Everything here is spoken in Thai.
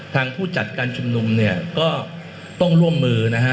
ผู้จัดการชุมนุมเนี่ยก็ต้องร่วมมือนะฮะ